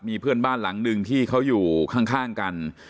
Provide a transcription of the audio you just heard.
มีเพื่อนบ้านหลังหนึ่งที่เขาอยู่ข้างกัน